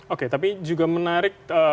oke tapi juga menarik